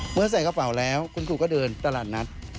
ใส่กระเป๋าแล้วคุณครูก็เดินตลาดนัด